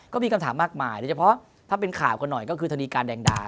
ก็มีคำถามมากมายโดยเฉพาะถ้าเป็นข่าวกันหน่อยก็คือธนีการแดงดา